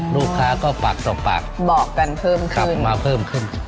ลูกค้าก็ฝากต่อปากบอกกันเพิ่มขึ้นมาเพิ่มขึ้น